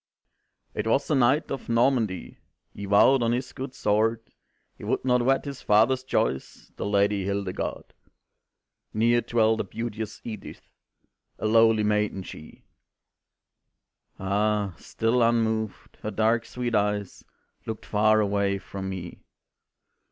"It was a knight of Normandy, He vowed on his good sword He would not wed his father's choice, The Lady Hildegarde. "Near dwelt the beauteous Edith, A lowly maiden she " Ah! still unmoved, her dark sweet eyes Looked far away from me.